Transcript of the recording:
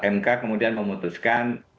mk kemudian memutuskan